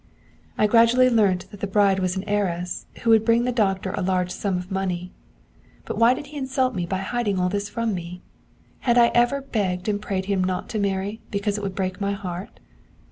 'I gradually learnt that the bride was an heiress, who would bring the doctor a large sum of money. But why did he insult me by hiding all this from me? Had I ever begged and prayed him not to marry, because it would break my heart?